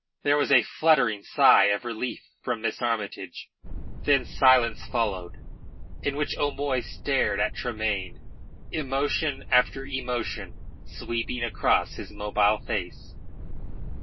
There was a fluttering sigh of relief from Miss Armytage. Then silence followed, in which O'Moy stared at Tremayne, emotion after emotion sweeping across his mobile face.